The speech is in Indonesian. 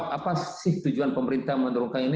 apa sih tujuan pemerintah menurunkan ini